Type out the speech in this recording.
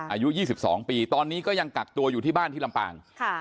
อายุ๒๒ปีตอนนี้ก็ยังกักตัวอยู่ที่บ้านที่ลำปาง